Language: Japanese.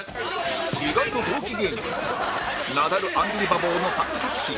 意外と同期芸人ナダル・アンビリバボーの３作品